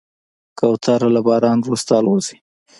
کوتره له باران وروسته الوزي.